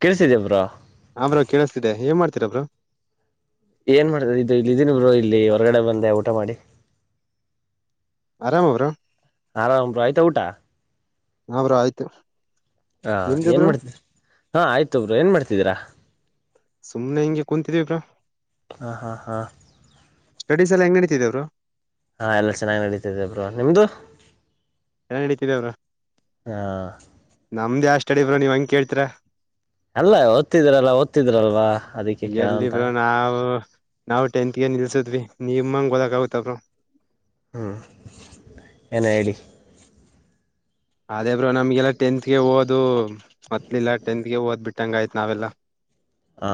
ಕೇಳಸಿದೇವ್ರಾ ಆ್ರ ಬ್ರೋ ಕೇಳಿಸತಿದೆ ಏನ್ ಮಾಡ್ತಿೀರಬ್ರು ಏನ್ ಮಾಡ್ತಾರೆ ಇದು ಇಲ್ಲಿ ಇದೀನಿಬ್ರು ಇಲ್ಲಿ ಹೊರಗಡೆ ಬಂದೆ ಊಟ ಮಾಡಿ ಆರಾಮ್ ಅವರು [unintelligible] ಆರಾಮ್ ಆಯ್ತಾ ಊಟಾ ನ್ರ ಆಯ್ತು ಹಾ ನಿಮ್ದು ಏನ್ ಬ್ರೋ ಮಾಡ್ತ ಹಾ ಆಯ್ತೊಬ್ರು ಏನ್ ಮಾಡ್ತಿದೀರಾ ಸುಮ್ಮನೆ ಹಂ್ೂಂತತೀವಿಪ್ರಾ ಹಾ ಹಾ ಹಾ ಸ್ಟಡೀಸ್ ಎ ಹೆಂಗಗೆಡೀತಿದ್ರು ಹಾ ಎಲ್ಲ ಚೆನ್ನಾಗಿ್ ನಡೀತಿದ್ದಬ್ರು ನಿಮ್ದು ಎಲ್ಲ ನಡತಿದವರು ಹಾ ನಮ್ದ ಯ ಸ ಅಡಿಬರು ನೀವ್ ಹಂಗ ಕೇಳ್ತೀರ ಅಲ್ಲ ಓದತಿದ್ರಲ್ಲ ದ್ಿದ್ರಲ್ವಾ ಅದಿಕ್ಕೆ ಕೇಳೋಂತ ಹ ನಾವು ಟೆಂತ್ ಗೆ ನಿಲ್ಸದ್ವಿ ನಿಮಂಗ ಓದಕ ಆಗುತ್ತ ಅವರು ಹ್ಞ ಎನ್ ಐ ಡಿ ಅದೇ ಬ್ರೋ ನಮ್ಗೆಲ್ಲಾ ಟೆಂತ್ ಗೆ ಓದು್ ಮೊತ್ತಲಿಲ್ಲ ಟೆಂತ್ ಗೆ ಓದ್ ಬಿಟ್ಟಂಗ ಆಯ್ತ್ ನಾವೆಲ್ಲಾ ಹಾ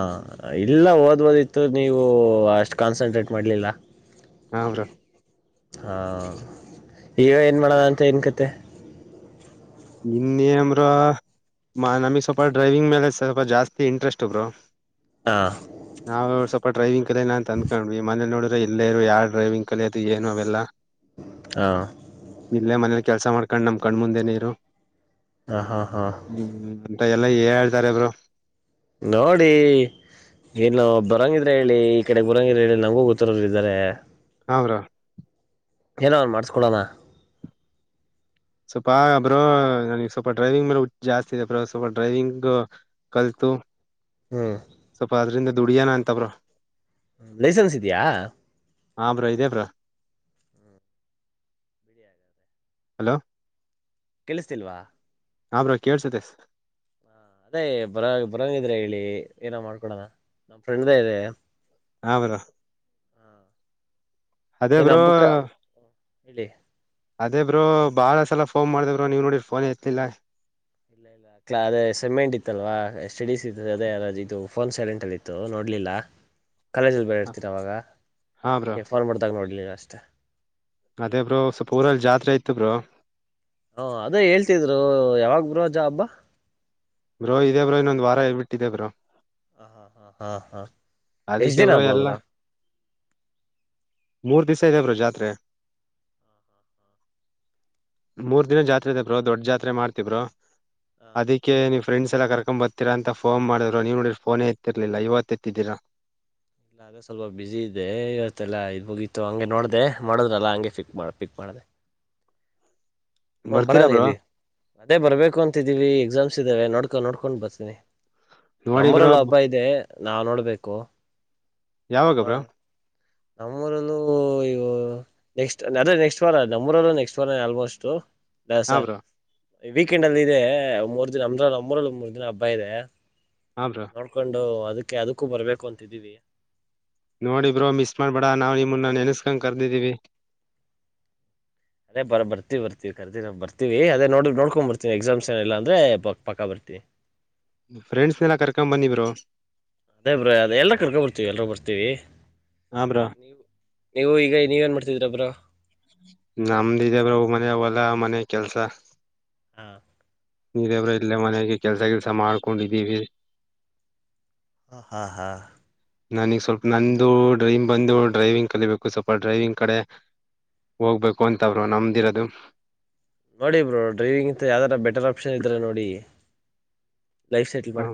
ಇಲ್ಲ ಓದ್ಬೋದಿತ್ತು ನೀವು ಅಷ್ಟು ಕಾನ್ಸನ್ಟ್ರೇಟ್ ಮಾಡ್ಲಿಲ್ಲ ಹೌ್ರಾ ಹಾ ಈಗ ಏನ್ ಮಾಡದ ಅಂತ ಏನ್ ಕತೆ ಇನ್ನ ಅಮರ ಮ ನಮಗ್ ಸ್ವಲ್ಪ ಡ್ರೈವಿಂಗ್ ಮೇಲೆ ಸ್ವಲ್ಪ ಜಾಸ್ತಿ ಇಂಟ್ರೆಸ್ಟ್ ಇಬ್ರು ಹಾಂ ನಾ್ ಸ್ವಲ್ಪ ಡ್ರವಿಂಗ್ ಕಲಲ್ಲ ನ ಅಂದಕೊಂಡ್ವಿ ಮನೇ ನೋಡಿದೆ ಇಲ್ಲೇ ಇರು ಯ ಡ್ರೈವಿಂಗ್ ಕಲೆ ಅದು ಏನು ಅವೆಲ್ಲ ಹಾ ಇಲ್ಲೇ ಮನೇಲಿ ಕೆಲಸ ಮಾಡ್ಕೊಂಡ್ ನಮ್ ಕಣ್ ಮುಂದೆ ನೀರು ಹಾ ಹಾ ಹಾ ಹ್ಮ್್ಮ ಅಂತ ಎಲ್ಲಾ ಹ ಹೇಳ್ತಾರೆ ಇಬ್ರು ನೋಡಿ ಏನ್ ಬರಂಗಿದ್ರೆ ಹೇಳಿ ಈ ಕಡೆ ಬರಂಗಿದ್ರೆ ಹೇಳಿ ನಂಗೂ ಗೊತ್ತರೋರು ಇದ್ದಾರೆ ಹೌರಾ ಏನ ಅವ್ನು ಮಾಡಸ್ಕೊಳಮ್ಮ ಸ್ವಲ್ಪ ಬ್ರ ನನಗ್ ಸ್ವಲ್ಪ ಡ್ರೈವಿಂಗ್ ಮೇಲೆ ಜಾಸ್ತಿ ಇದೆ ಅ ಬ್ರೋ ಸ್ವಲ್ಪ ಡ್ರೈವಿಂಗ್ ಕಲ್ತು ಹ್ಮ್ ಸ್ವಪ ಅದ್ರಿಂದ ದುಡ್ಯಾನ ಅಂತ ಅವರು ಲೈಸೆನ್ಸ್ ಇದೆಯಾ ಹಾ ಬ್ರ ಇ ಇದದೆ ಬ್ರಾ ಹಲೋ ಕೆಲ್್ತಿಲ್ವಾ ಹಾಬ್ರ ಕೇಳ್ಸತೆ ಹ ಅದೇ ಬರ ಬರಂಗಿದ್ರೆ ಹೇಳಿ ಏನ ಮಾಡ್ಕೊಡೋಣ ನಮ್ ಫ್ರೆಂಡ್ದೆದೆ ಇದೆ [unintelligible] ಹ್ರ ಅದೇ ಏನ ಬ್ರೋ ಹಬ್ಬುಕ್ಕ ಹೇಳಿ ಅದೇ ಬ್ರೋ ಬಾಳ ಸಲ ಫೋನ್ ಮಾಡ್ದ ಬ್ರರು ನೀವ್ ನೋಡಿರ್ ಫೋನ್ ಎತ್ತತಿಲ್ಲಾ ಇಲ್ಲ ಇಲ್ಲ ಕ ಅದೇ ಸೆಮೆಂಟ್ ಇತ್ತಲ್ವಾ ಸ್ಟಡೀಸ್ ಇ ಅದೇ ಇದು ಫೋನ್ ಸೈಲೆಂಟ್ ಅಲ್ಲಿ ಇತ್ತು ನೋಡ್ಲಿಲ್ಲ [inaudible] ಕಾಲೇಜಲ್ಲಿ ಬರ ಇರ್ತೀನಿ ಅವವಾಗ ಹಾ ಬ್ರೋ ನೀ ಫೋನ್ ಮಾಡಿದಾಗೆ ನೋಡಿ ನೀ ಅಷ್ಟೇ ಅದೇ ಬ್ರೋ ಸ್ವಪ ಪೂರಲ್ಲಿ ಜಾತ್ರೆ ಇತ್ತು ಬ್ರೋ ಹಾ ಅದೇ ಹೇಳ್ತಿದ್ರು ಯಾವಾಗ ಬುರುಜಾ ಹಬ್ಬಾ ಬ್ರೋ ಇದೆ ಬ್ರೋ ಇನ್ನೊಂದ್ ವಾರಳ್ಬಟ್ಟಿದೆ ಬ್ರೋ ಹ ಹಾ ಹಾ ಹಾ ಹಾ ಎಷ್ಟ್ ದಿನ ಅದಕ್ಕೆಬರುೋ ಹಬ್ಬ ಎಲ್ಲ ಬ್ರೋ ಮೂರ್ ದಿವಸ ಇದೆ ಬರು ಜಾತ್ರೆ ಮೂರ್ ದಿನ ಜಾತ್ರೆ ಇದೆ ಬ್ರೋ ದೊಡ್ಡ ಜಾತ್ರೆ ಮಾಡ್ತಿ ಬ್ರರು ಹ ಅದಕ್ಕೆ ನೀನ್ ಫ್ರೆಂಡ್ಸ್ ಎಲ್ಲಾ ಕರ್ಕೊಂಡ್ ಬರ್ ಹತ್ತೀರಾ ಅಂತಫೋನ್ ಮಾಡ್ರು ನೀವು ನಡಡಿರ್ ಫೋನೆ ಎತ್ತಿರ್ಲಿಲ್ಲ ಇವತ್ತು ಎತ್ತಿದ್ದೀರಾ ಇಲ್ಲ ಅದೇ ಸ್ವಲ್ಪ ಬಿಸಿ ಇದೆ ಇವತ್ತೆಲ್ಲಾ ಇಗಿತ್ತು ಹಂಗೆ ನೋಡ್ದ ಮಾಡದ್ರಲ್ಲಾ ಹಂಗೆ ಪಿಕ್ ಮಾಡ ಪಿಕ್ ಮಾಡಿದೆ ಹ್ಮ ಬರ್ತೀರಾ ಬರಾನೀ ಬ್ರೋ ಅದೇ ಬರ್ಬೇಕು ಅಂತಿದ್ದೀವಿ ಎಕ್ಸಾಮ್ಸ್ ಇದ್ದಾವೆ ನೋಡ್ಕೊಂಡ ನೋಡ್ಕೊಂಡ್ ಬರ್ತೀನಿ ನೋಡಿ ಬ್ರೋ ನಮ್ಮ್ರಲ್ಲ ಹಬ್ಬ ಇದೆ ನಾವ್ ನೋಡ್ಬೇಕು ಯಾವಾಗ ನೋಡ ಬ್ರಾ ನಮ್ಮೂರಲ್ಲೂ ನೆಕ್ಸ್ಟ್ ಅದೇ ನೆಕ್ಸ್ಟ್ ವಾರ ನಮ್ಮೂರಲ್ಲೂ ನೆಕ್ಸ್ಟ್ ವಾರ ಆಲ್ಮೋಸ್ಟ್ ದಸ ಹಾ ಬ್ರೋ ವೀಕೆಂಡ್ ಅಲ್ಲಿ ಇದೆ ಮೂರ್ ದಿನ ಅಮ್ರ ನರಲ್ಲಿ ಮೂರ್ ದಿನ ಹಬ್ಬ ಇದೆ ಹ್ರಾ ನೋಡ್ಕೊಂಡು ಅದಕ್ಕೆ ಅದಕ್ಕೂ ಬರ್ಬೇಕು ಅಂತಿದ್ದೀವಿ ನೋಡಿ ಬ್ರೋ ಮಿಸ್ ಮಾಡ್ಬೇಡ ನಾವು ನಿಮಮ್ಮನ್ನ ನೆನ್ಸ್ಕೊಂಡ ಕರ್ದಿದೀವಿ ಬರ್ತಿ, ಬರ್ತೀನಿ ಕರದೇ ಬರ್ತೀವಿ ನೋಡಿಕೊಂಡು ಬರ್ತೀವಿ, ಎಕ್ಸಾಮ್ಸ್ ಏನು ಇಲ್ಲ ಅಂದ್ರೆ ಫ್ರೆಂಡ್ಸ್ ನೆಲ ಕರ್ಕೊಂಡ್ ಬನ್ನಿ ಬ್ರೋ ಅದೇ ಬ್ರೋ ಎಲ್ರೂ ಕರ್ಕೊಂಡ್ ಬರ್ತೀವಿ ಎಲ್ಲರೂ ಬರ್ತೀವಿ ಹಾ ಬ್ರಾ ನೀವು ಈಗ ನೀವು ಏನ್ ಮಾಡ್ತಾ ಇದ್ದೀರಾ ಬ್ರೋ ಅಂತಿದೆ ಬ್ರೋ ಮನೆಯಲ್ಲ ಮನೆ ಕೆಲಸ ಹಾ ಇದೇ ಬ್ರೋ ಇಲ್ಲೇ ಮನೆಗೆ ಕೆಲಸ ಮಾಡ್ಕೊಂಡಿದ್ದೀನಿ ಹ ಹಾ ಹಾ ನನಗ್ ಸ್ವಲ್ಪ ನಂದು ಡ್ರೀಮ್ ಬಂದು ಡ್ರೈವಿಂಗ್ ಕಲಿಬೇಕು ಸ್ವಲ್ಪ ಡ್ರೈವಿಂಗ್ ಕಡೆ ಒಬ್ಬ ಅಂತ ಬ್ರೋ ನಮ್ದು ಇರೋದು ನೋಡಿ ಬ್ರೋ ಡ್ರೈವಿಂಗ್ ಇಂಥ ಯಾವುದಾದರೂ ಬೇರೆ ಕೆಲಸ ಇದ್ದರೆ ನೋಡಿ ಲೈಫ್ ಸೆಟ್ ಹ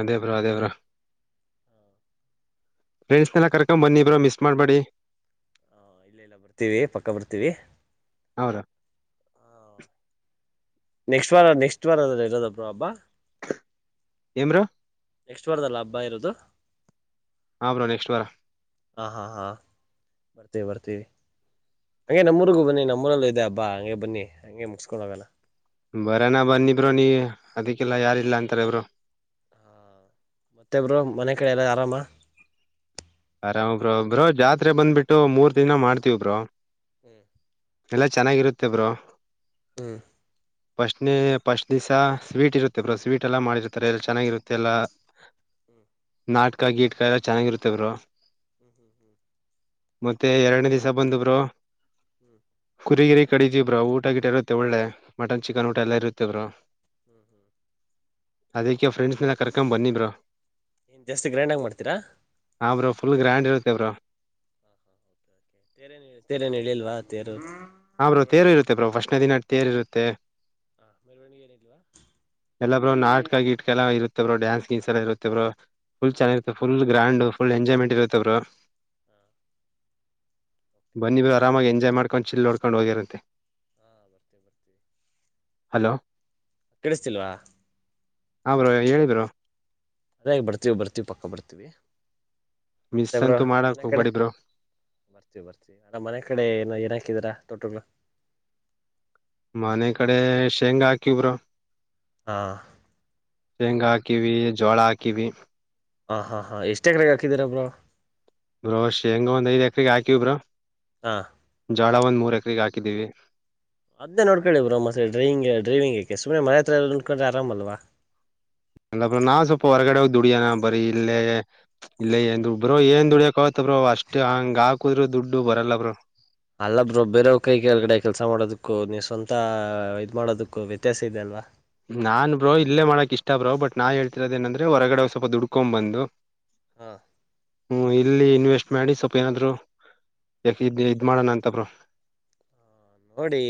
ಅದೇ ಬ್ರಾ ಅದೇ ಬ್ರಾ ಫ್ರೆಂಡ್ಸ್ ನೆಲ ಕರ್ಕಂಬನ್ನಿ ಬ್ರೋ ಮಿಸ್ ಮಾಡಬೇಡಿ ಹಾ ಇಲ್ಲ ಇಲ್ಲ ಬರ್ತೀವಿ ಪಕ್ಕ ಬರ್ತೀವಿ ಹೌದಾ ನೆಕ್ಸ್ಟ್ ವಾರ ನೆಕ್ಸ್ಟ್ ವಾರಣಾ ಇರುವುದು ಏನು ಬ್ರೋ ನೆಕ್ಸ್ಟ್ ವಾರದಲ್ಲ ಹಬ್ಬ ಇರೋದು ಆಮ್ಬ್ರು ಅನ್ನಿಸ್ತು ವಾರ ಆಾಂ ಹಾ ಹಾ ಬರ್ತೀವಿ ಬರ್ತೀವಿ ಹಂಗೆ ನಮ್ಮೂರಿಗೂ ಬನ್ನಿ ನಮ್ಮೂರಲ್ಲೂ ಇದೆ ಹಬ್ಬ ಹ ಹಾಗಗೆ ಬನ್ನಿ ಹಂಗೆ ಮುಗ್ಕೊಳ್ಳಳೋಲ್ಲ ಬರೋಣ ಬನ್ನಿ ಬ್ರೋ ನೀವು ಅದಕ್ಕೆಲ್ಲ ಯಾರಿಲ್ಲ ಅಂತಾರೆ ಪ್ರೊ ಮತ್ತೆಬ್ರು ಮನೆ ಕಡೆ ಎಲ್ಲ ಆರಾಮ ಆರಾಮ್ ಬ್ರೋ ಬ್ರೋ ಜಾತ್ರೆ ಬಂದ್ಬಿಟ್ಟು ಮೂರ್ ದಿನ ಮಾಡ್ತೀವ್ ಬ್ರೋ ಹ್ಮ್ ಎಲ್ಲಾ ಚೆನ್ನಾಗಿರುತ್ತೆ ಬ್ರೋ ಹ್ಮ್ ಪ್ರಶ್ನೆ ಫಸ್ಟ್ ದಿಶಾ ಸ್ವೀಟ್ ಇರುತ್ತೆ ಸ್ವೀಟ್ ಎಲ್ಲ ಚೆನ್ನಾಗಿ ಮಾಡಿರುತ್ತಾರೆ ಹ್ಮ್ ನಾಟಕ ಆಗಿಡುಕ ಎಲ್ಲ ಚೆನ್ನಾಗಿರುತ್ತೆ ಬ್ರೋ ಹ್ಮ್ ಹ್ಮ್ ಹ್ಮ್ [unintelligible] ಮತ್ತೆ ಎರಡು ದಿಸ ಬಂತು ಬ್ರೋ ಹ್ಮ್ [unintelligible] ಗುರಿ ಗಿರಿ ಕಡಿದೀ ಬ್ರಾ ಊಟ ಗಿಟ ಇರುತ್ತೆ ಒಳ್ಳೆ ಮಟನ್ ಚಿಕನ್ ಊಟ ಹ್ಮ್ ಹ್ಮ್ ಎಲ್ಲಾ ಇರುತ್ತೆ ಬ್ರ ಹ್ಮ್ ಹ್ಮ್ ಅದಕ್ಕೆ ಫ್ರೆಂಡ್ಸ್ ಎಲ್ಲ ಕರ್ಕೊಂಡ್ ಬನ್ನಿ ಬ್ರೋ ನ್ ಜಾಸ್ತಿ ಗ್ರೈಂಡ್ಗ ಮಾಡ್ತೀಾ ಹಾ ಬ್ರರು ಫುಲ್ ಗ್ರ್ಯಾಂಡ್ ಇರುತೇ ಬ್ರರು ಹಾ ಹಾ ಓಕೆ ಓಕೆ. ತೇರು ಏನು ಎಳೆಯಲ್ವಾ ಹಾ ಬ್ರೋ ತೇರು ಇರುತ್ತೆ ಬ್ರೋ್ ವಷ್ಣ ದಿನಾ ತೇರು ಇರುತ್ತೆ ಹ ಮೆರವಣಿಗೆ ಏನಿದಲ್ವಾ [unintelligible] ಎಲ್ಲಾ ಬರು ನಾಕ ಗಿಟ್ಕ ಎಲ್ಲ ಇತ್ತೇವ್ರರು ಡ್ಯಾನ್ಸ್ ಗಿನ್ಸ್ ಎಲ್ಲ ಇರುತ್ತೇವರು ಫಲ್ ಹಾ ಹಾ ಚೆನ್ನಾಗಿರುತ್ತೆ ಫುಲ್ ಎಂಜಾಯ್ಮೆಂಟ್ ಇರುತ್ತೆ ಗುರು ಹಾ ಓಕೆ ಬನ್ನಿ ಆರಾಮಾಗಿ ಎಂಜಾಯ್ ಮಾಡ್ಕೊಂಡ್ ಚಿಿಲ್ಲ ಓಡ್ಕೊಂಡ್ ಹೋಗಿರಂತೆ ಹಾ ಬರ್ತವಿ ಬರ್ತವಿ [unintelligible] ಹಲೋ ಕಡಿಸ್ತಿಲ್ವಾ? ಹಾ ಬ್ರೋ ಹೇಳಿ ಬ್ರೋ. ಅದೇ ಬರ್ತೀವಿ ಬರ್ತೀವಿ ಪಕ್ಕ ಬರ್ತೀವಿ. ಮಿಸ್ ಮತ್ತೆಬ್ರು ಅಂತೂ ಮಾಡಕ್ ಮನೆ ಕಡೆ ಹೋಗ್ಬೇಡಿ ಬ್ರೋ ಬರ್ತಿವಿ ಅ ಮನೆ ಕಡೆ ಏನ ಏನಾಕಿದರಾ ತೊಟಗಳು ಮನೆ ಕಡೆ ಶೇಂಗ ಹಾಕಿವ ಬ್ರೋ ಹಾ ಶೇಂಗಾ ಹಾಕಿವಿ ಜೋಳ ಹಾಕಿವಿ. ಹಾ ಹಾ ಹಾ ಎಷ್ಟ ಎಕರೆ ಹಾಕಿದಾರಾ ಬ್ರೋ ಬ್ರೋ ಹೆಂಗ ಒಂದ ಐದ ಎಕರೆಗೆ ಹಾಕಿವಿ ಬ್ರೋ [unintelligible] ಹಾಂ [unintelligible] ಜೋಳ ಒಂದ್ ಮೂರ ಎಕರೆಗೆ ಹಾಕಿದ್ದೀವಿ ಅದೇ ನೋಡ್ಕಿರ ಮತ್ತ ಡ್ರೈವಿಂಗ್, ಡೈವಿಂಗ್ಗೆಕ ಸುಮ್ನೆ ಹತ್ರ ಇದ್ರೆ ನೋಕ್ರ ಆರಾಮಲ್ವಾ ಅಂದ ನಾನ್ ಸ್ವಲ್ಪ ಹೊರಗಡೆ ಹೋಗಿ ದುಡಿಯನ ಬರೀ ಇಲ್ಲೇ ಇಲ್ಲ ಏನ್ ದುಡ್ ಬ್ರೋ ಏನ್ ದುಡಿಯಕ ಅವತ್ ಬ್ರೋ ಅಷ್ಟೇ ಹಂಗ ಹಾಕುದ್ರು ದುಡ್ಡು ಬರಲ್ಲ ಬ್ರೋ ಅಲ್ಲೊಬ್ರೋ ಬೇರೆಯವ್ರ ಕೈ ಕೆಳಗಡೆ ಕೆಲಸ ಮಾಡೋದಕ್ಕೂ ನೀವು ಸ್ವಂತ ಇದ್ ಮಾಡೋದಕ್ಕೂ ವ್ಯತ್ಯಾಸ ಇದೆ ಅಲ್ವಾ ನಾನ್ ಬ್ರೋ ಇಲ್ಲೇ ಮಾಡಕಕ್ ಇಷ್ಟ ಬ್ರೋ ಬಟ್ ನಾನ್ ಹೇಳ್ತಿರದಏನಂದ್ರೆ ಹೊರಗಡೆ ಸ್ವಲ್ಪ ದುಡ್ಕೊ್ ಬಂದು ಹಾಂ ಹ್ಮ ಇಲ್ಲಿ ಇನ್ವೆಸ್ಟ್ ಮಾಡಿ ಸ್ವಲ್ಪ ಏನಾದ್ರು ಯಾಕ ಇದ್ ಮಾಡೋಣ ಅಂತ ಬ್ರೋ ನೋಡಿ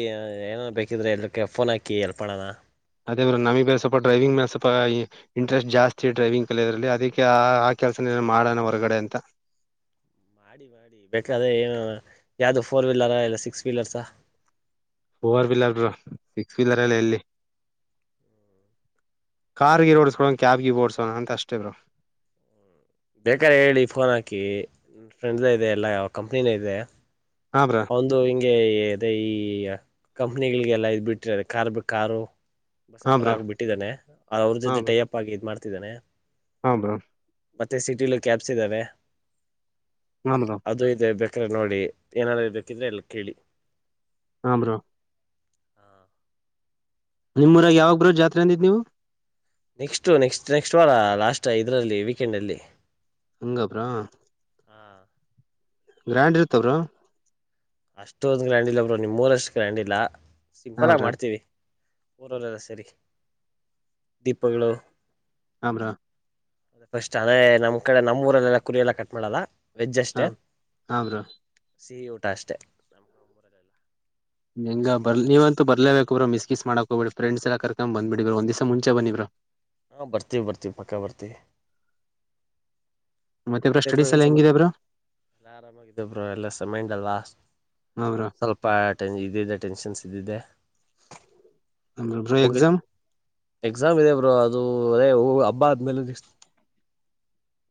ಏನೇ ಬೇಕಿದ್ರೆ ಎಕ್ಕೆ ಫೋನ್ ಹಾಕಿ ಎಲ್ಪ್ ಮಾಡೋಣ, ಅದೇ ಬ್ರ ನಮ ಬೇ ಸ್ವಪ ಡ್ರೈವಿಂಗ್ ಲೆ ಸ್ವಪ ಇಂಟ್ರೆಸ್ಟ್ ಜಾಸ್ತಿ ಡ್ರೈವಿಂಗ್ ಕಲಿಯದ್ರಲ್ಲಿ ಅದಕ್ಕೆ ಆ ಕೆಲಸನಏ ಮಾಡೋಣ ಹೊರಗಡೆ ಅಂತ ಮಾಡ ಮಾಡಿ ಬೇಕಾದ್ರೆ ಏನು ಯಾವ್ದ ಫೋರ್ ವೀಲರ ಇಲ್ಲ ಸಿಕ್ಸ್ ವೀಲರ್ಸ ಫೋರ್ ವೀಲರ್ ಸಿಕ್ಸ್ಬ ಬ್ರೋ ವೀಲರ್ ಅಲ್ಲ ಎಲ್ಲಿ ಕಾರ್ಗೆ ಓಡಸ್ಕೋಣ ಕ್ಯಾಬ್ಗೆ ಓಡಸೋಣ ಅಂತ ಅಷ್ಟೇ ಬ್ರೂ ಬೇಕಾರೆ ಹೇಳಿ ಫೋನ್ ಹಾಕಿ ಫ್ರೆಂಡ್ ಇದೆ ಎಲ್ಲ ಕಂಪ್ನಿನೇ ಇದೆ ಹಾ ಬ್ರೋ ಒಂದು ಹಿಂಗೆ ಅದೆ ಈ ಕಂಪ್ನಿಗಳಿಗೆಲ್ಲ ಇದ್ ಬಿಟ್ರ ಅ ಕಾರ್ ಬ್ರೋ ಕಾರು ಹಾ ಬಸ್ಸಸ್ ಎಲ್ಲ ಬ್ರೋ ಹಾಕಿಬ ಬಿಟ್ಟಿದ್ದಾನೆ ಅವ್ರ ಹಾ ಜೊತೆ ಬ್ರೋ ಟೈ ಅಪ್ ಆಗಿ ಇದ್ ಮಾಡ್ತಿದ್ದಾನೆ. ಹಾ ಬ್ರೋ ಮತ್ತೆ ಸಿಟಿಲಿ ಕ್ಯಾಬ್ಸ್ ಇದ್ದಾವೆ. ಹಾ ಬ್ರೋ ಅದು ಇದೆ ಬೇಕ್ರೆ ನೋಡಿ ಏನಾದ್ೂ ಬೇಕಿದ್ರೆ ಎಲ್ಲಿ ಕೇಳಿ. ಹಾಂ ಬ್ರೋ ಹಾ ನಿಮ್ಮೂರಾಗ ಯಾವಾಗ ಬ್ರೋ ಜಾತ್ರೆ ಅಂದಿದ್ ನೀವು ನೆಕ್ಸ್ಟು ನೆಕ್ಸ್ಟ ನೆಕ್ಸ್ಟ ವಾರ ಲಾಸ್ಟ್ ಇದರಲ್ಲಿ ವೀಕೆಂಡಲ್ಲಿ ಹಂಗೆ ಬ್ರೋ ಹಾ ಗ್ರ್ಯಾಂಡ್ ಇರ್ತವರು ಬ್ರೋ. ಅಷ್ಟೊಂದು್ ಗ್ರ್ಯಾಂಡ್ ಇಲ್ಲಬ್ರು ನಿಮೂರ್ಷ್ಟು ಗ್ರ್ಯಾಂಡ್ ಇಲ್ಲ ಹಾ ಸಿಂಪಲ್ ಆಗಿ ಬ್ರೋ ಮಾಡ್ತೀವಿ. ಹೌದಲ್ಲ ಸರಿ ದೀಪಗಳು. ಹಮ್ರ. ಫಸ್ಟ್ ಅದೇ ನಮ್ ಕಡೆ ನಮ್ಮ ಊರಲ್ಲೆಲ್ಲ ಕುರಿಯ ಎಲ್ಲ ಕಟ್ ಮಾಡಲ್ಲ. ವೆಜ್ ಅಷ್ಟೇ ಹಾ ಬ್ರೋ ಸಿಹಿ ಊಟ ಅಷ್ಟೇ ನ. ಹೆಂಗ ಬರ್ ನೀವಂತ ಬರ್ಲೇಬೇಕು್ರ ಮಿಸ್ಸ್ ಮಾಡಕೋ ಬಿ ಫ್ರೆ್ಸ್ ಎಲ್ಲ ಕರ್ಕ ಬಂದೆ ಬಿಡಿ ಬ್ರೋ ಒಂದು ದಿನ ಮುಂಚೆ ಬನ್ನಿ ಬ್ರೋ ಹಾ ಬರ್ತೀವಿ ಬರ್ತೀವಿ ಪಕ್ಕ ಬರ್ತಿವಿ ಮತ್ತೆ ಬ್ರೋ ಮತ್ತೆಬ್ರು ಸ್ಟಡೀಸ್ ಎಲ್ಲ ನ್ಸತ್ ಹೆಂಗಿದೆ ಬ್ರೋ ಎ ಆರಾಮಾಗಿದ್ದಬ್ರು ಎಲ್ಲ ಮೈಂಡ್ ಅಲ್ವಾ ಹೌರ ಸ್ವಲ್ಪ ಇದ ಇದೆ ಟೆನ್ಷನ್ಸ್ ಇದೆ. ಅಮ ಹ ಎಕ್ಜಾಮ. ಎಕ್ಸಾಮ್ ಇದೆ ಬ್ರೋ ಅದು ಅದೇ ಹಬ್ಬ ಆದ್ಮೇಲೆಷ್ಟತು.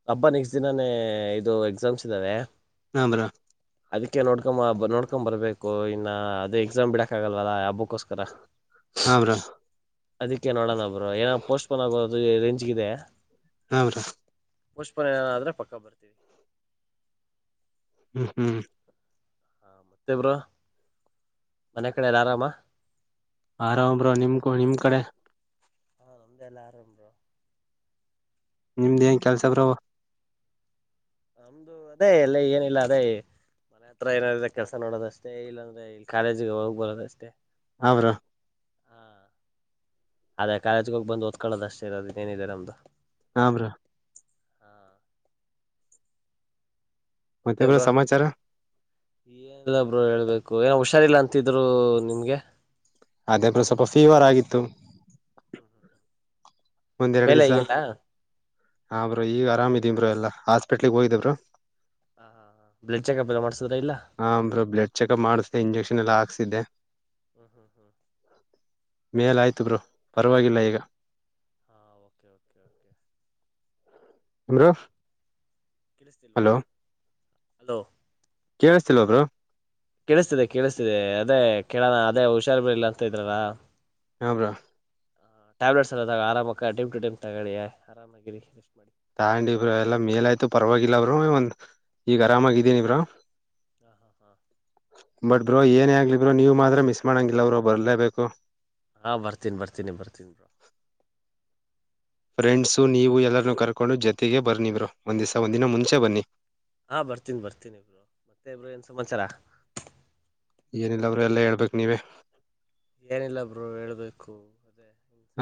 ಹಬ್ಬಾ ನೆಕ್ಸ್ಟ್ ದಿನಾನೇ ಇದು ಎಕ್ಸಾಮ್ಸ್ ಇದ್ದಾರೆ ಹಾ ಬ್ರೋ ಅದಕ್ಕೆ ನೋಡ್ಕೊ ಬಾ ನೋಡ್ಕೊ ಬರ್ಬೇಕು ಇನ್ನು ಅದೇ ಎಕ್ಸಾಮ್ ಬಿಡಕ್ ಆಗಲ್ವಲ್ಲ ಹಾಬ್ಬಕ್ಕೋಸ್ಕರ ಹಾ ಬ್ರೋ. ಅದಕ್ಕೆ ನೋಡೋಣ ಬ್ರೋ ಏನ ಪೋಸ್ಟ್ಪೋನ್ ಆಗೋದು ರೇಂಜ್ಗ ಇದೆ. ಹಾ ಬ್ರೋ ಪೋಸ್ಟ್ ಮೆನ್ ಆದ್ರೆ ಪಕ್ಕ ಬರ್ತೀವಿ ಹ್ಮ್ ಹ್ಮ್ ಮತ್ತೇನು ಬ್ರೋ ಮನೆ ಕಡೆಲ್ಲ ಆರಾಮ ಆರಾಮ್ ಬ್ರೋ ನಿಮ್ ನಿಮ್ ಕಡೆ ಒಂದೆಲ್ಲ ಆರಂಭ್ರ ನಿಮ್ದ ಏನ್ ಕೆಲಸ ಬ್ರೋ. ನಮ್ದು ಅದೇ ಅಲ್ಲ ಏನಿಲ್ಲ ಅದೇ. ಮನೆ ಹತ್ರ ಏನಾದ ಕೆಲಸ ನೋಡೋದಷ್ಟ ಇಲ್ಲಂದ್ರೆ ಇಲ್ಲಿ ಕಾಲೇಜಿಗೆ ಹೋಗ್ ಬರೋದಷ್ಟೇ. ಹಾ ಬ್ರೋ. ಹಾ ಅದೇ ಕಾಲೇಜಗೋಗಿ ಬಂದು ಓದ್ಕೊಳ್ಳೋದಷ್ಟೇ ಇರೋದು ಇನ್ನೇನಿದೆ ನಮ್ದು ಹಾ ಬ್ರೋ ಹಾ ಮತ್ತೆಬ್ಬ ಬ್ರೋ ಸಮಾಚಾರ. ಏನಿಲ್ಲಬ್ರು ಹೇಳ್ಬೇಕು ಏನೋ ಹುಷಾರಿಲ್ಲ ಅಂತಿದ್ರು ನಿಮ್ಗೆ. ಅದೇ ಬ್ರೋ ಸ್ವಲ್ಪ ಫೀವರ್ ಆಗಿತ್ತು. [inaudible] ಒಂದ್ರಡು ಮೇಲೆ ದಿವ್ಸ ಆಗಿಲ್ಲ ಹಾ ಹಾ ಬ್ರೋ ಈಗ ಆರಾಮ್ ಅದೀವಿ ಬ್ರೋ ಎಲ್ಲಾ ಹಾಸ್ಪಿಟಲ್ ಗೆ ಹೋಗಿದವ ಬ್ರೋ. ಹಾ ಹಾ ಹಾ ಬ್ಲಡ್ ಚೆಕಪ್ ಎಲ್ಲ ಮಾಡಸಿದ್ರಾ ಇಲ್ಲ? ಹ ಬ್ರೋ ಬ್ಲಡ್ ಚೆಕ್ಪ್ ಮಾಡಿಸ್ದೇ ಇಂಜೆಕ್ಷನ್ ಎಲ್ಲ ಹಾಕ್ಸಿದ್ದೆ [inaudible] ಮೇಲ ಆಯ್ತು ಬ್ರೋ ಪರವಾಗಿಲ್ಲ ಈಗ ಹಾ ಓಕೆ ಓಕೆ ಓಕೆ ಬ್ರೋ ಕೀಳಸತಿವಾ ಹಲೋ ಹಲೋ ಕೇಳಿಸ್ತಿಲ್ಲ ಬ್ರೋ ಕೇಳಿಸ್ತಿದೆ ಕೇಳಿಸ್ತಿದೆ ಅದೇ ಕೆಳಣ ಅದೇ ಹುಷಾರ್ ಬಿಳಲ್ಲ ಅಂತ ಇದ್ರಾರಲ್ಲ ಹಾ ಬ್ರೋ... ಟ್ಯಾಬ್ಲೆಟ್ಸ್ ಎಲ್ಲ ಆರಾಮಗಿ ಟೈಮ್ ಟೈಮ್ ತಗಳಿ [unintelligible] ತಾಂಡಿ ಬ್ರೋ ಇವಾಗ ಎಲ್ಲ ಮೇಲ ಆಯ್ತು ಪರವಾಗಿಲ್ಲ ಬ್ರೋ ಒಂದ್ ಈಗ ಆರಾಮಾಗಿದ್ದೀನಿ ಬ್ರೋ [inaudible] ಹಾ ಹಾ ಹಾ ಬಟ್ ಬ್ರೋ ಏನೇ ಆಗಲಿ ಬ್ರೋ ನೀವು ಮಾತ್ರ ಮಿಸ್ ಮಾಡೋಂಗಿಲ್ಲ ಬ್ರೋ ಬರಲೇಬೇಕು ಹಾ ಬರ್ತೀನೀ ಬರ್ತೀನಿ ಬರ್ತನಿ ಫ್ರೆಂಡ್ಸು ನೀವು ಎಲ್ಲರೂ ಕರ್ಕೊಂಡು ಜೊತೆಗೆ ಬರ್ನಿ ಒಂಧಿಸ ಒಂದ ದಿನ ಮುಂಚೆ ಬನ್ನಿ ಹಾ ಬರ್ತೀನೀ ಬರ್ತಿನಿಬ್ಬರು ಮತ್ತೆ ಇಬ್ರು ಏನ್ ಸಮಾಚಾರ ಏನಿಲ್ಲ ಬ್ರೋ ಎಲ್ಲಾ ಹೇಳ್ಬೇಕಕ್ ನೀವೇ, ಏನಿಲ್ಲ ಬ್ರೋ ಹೇಳ್ಬೇಕು. ಅದೇ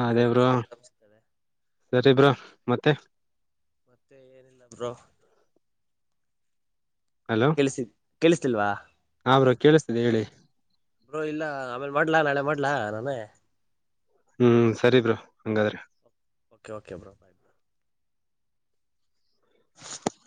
ಹದೇ ಬ್ರೋ ಅಲ್ವಾ ಎಕ್ಸಾಮ್ಸ್ ಇದ್ದಾವೆ ಸರಿ ಬ್ರೋ ಮತ್ತೆ ಮತ್ತೆ ಏನಿಲ್ಲಬ್ರು ಹಲೋ ಕೇಳಿಸಿಲ್ವಾ ಹ್ರ ಕೇಳಿಸ್ತಿದೆ ಹೇಳಿ ಬ್ರೋ ಇಲ್ಲ ಆಮೇಲೆ ಮಾಡ್ಲಾ ನಾಳೆ ಮಾಡ್ಲಾ ನಾನೇ ಹ್ಮ್ ಸರಿ ಬ್ರ ಹಂಗಾದ್ರೆ ಓಕ ಓಕೆ ರೋ ಬಾಯಗೆ [inaudible]